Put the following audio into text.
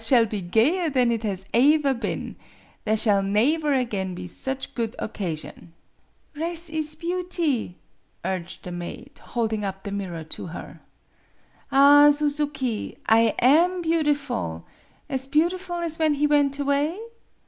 His house shall be gayer than it has aever been. There shall naever again be such good occa sion." "Res' is beauty," urged the maid, hold ing up the mirror to her. " Ah, Suzuki ! I am beautiful as beautiful as when he went away